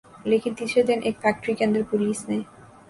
لیکن تیسرے دن ایک فیکٹری کے اندر پولیس نے